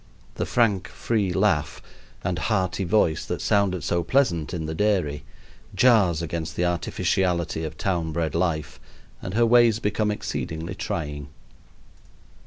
The frank, free laugh and hearty voice that sounded so pleasant in the dairy jars against the artificiality of town bred life, and her ways become exceedingly trying.